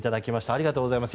ありがとうございます。